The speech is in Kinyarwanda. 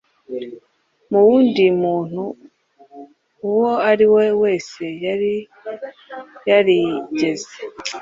Mu wundi muntu uwo ari we wese yari yarigeze